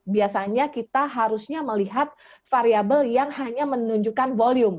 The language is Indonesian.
biasanya kita harusnya melihat variable yang hanya menunjukkan volume